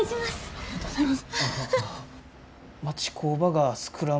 ありがとうございます！